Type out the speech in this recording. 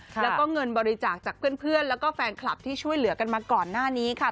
แล้วก็เงินบริจาคจากเพื่อนแล้วก็แฟนคลับที่ช่วยเหลือกันมาก่อนหน้านี้ค่ะ